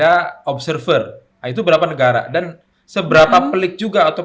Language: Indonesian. apa yang dipaksakan untuk bisa melakukan untuk dat